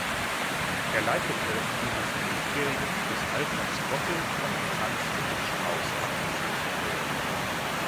Er leitete dieses Ministerium, bis Alfons Goppel von Franz Josef Strauß abgelöst wurde.